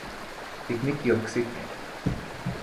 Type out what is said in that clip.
Ticniqui ocsiqui